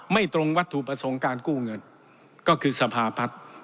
ตรงวัตถุประสงค์การกู้เงินก็คือสภาพัฒน์